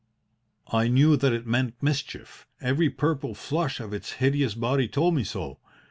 "I knew that it meant mischief. Every purple flush of its hideous body told me so.